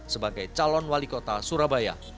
sebagai calon wali kota surabaya